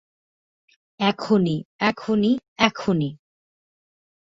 এখনই, এখনই, এখনই।